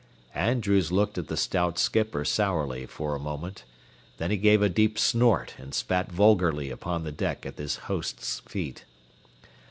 Andrews looked at the stout skipper sourly for a moment. Then he gave a deep snort and spat vulgarly upon the deck at his host's feet.